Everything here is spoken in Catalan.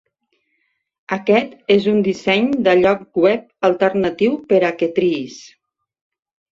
Aquest és un disseny de lloc web alternatiu per a que triïs.